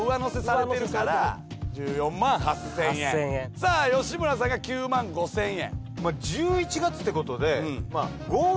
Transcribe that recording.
さあ吉村さんが９万５，０００円。